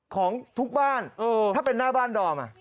ของทุกบ้านถ้าเป็นหน้าบ้านดอม